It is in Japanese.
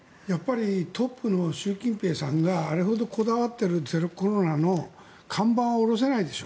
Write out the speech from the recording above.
トップの習近平さんがあれほどこだわっているゼロコロナの看板を下ろせないでしょ。